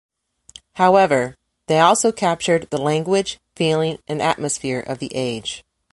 However, they also captured the language, feeling, and atmosphere of the age.